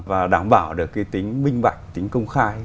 và đảm bảo được cái tính minh bạch tính công khai